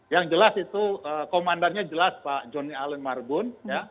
yang jelas itu komandannya jelas pak joni allen marbun